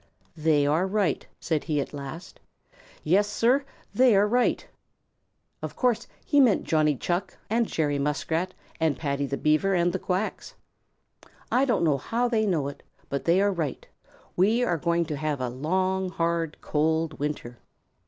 "They are right," said he at last. "Yes, Sir, they are right." Of course he meant Johnny Chuck and Jerry Muskrat and Paddy the Beaver and the Quacks. "I don't know how they know it, but they are right; we are going to have a long, hard, cold winter.